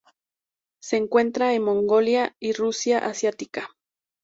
Se encuentra en Mongolia y Rusia asiática.